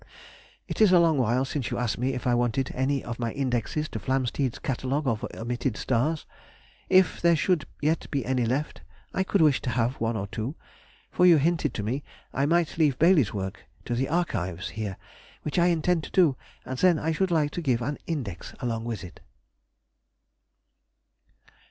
... It is a long while since you asked me if I wanted any of my Indexes to Flamsteed's Catalogue of omitted stars. If there should yet be any left, I could wish to have one or two; for you hinted to me I might leave Baily's work to the "Archives" here, which I intend to do, and then I should like to give an Index along with it.